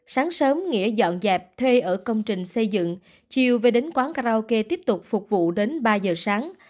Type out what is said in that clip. sáng sớm nghĩa dọn dẹp thuê ở công trình xây dựng chiều về đến quán karaoke tiếp tục phục vụ đến ba giờ sáng